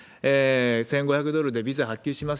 １５００ドルでビザ発給します